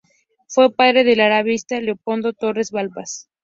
Fue padre del arabista Leopoldo Torres Balbás.